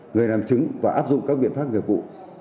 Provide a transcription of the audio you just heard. người làm chứng và áp dụng các biện pháp nghiệp vụ